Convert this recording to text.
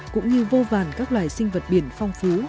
cũng như vô vàn các loài sinh vật biển phong phú